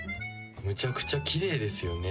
むちゃくちゃ綺麗ですよね。